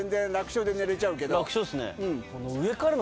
楽勝ですね。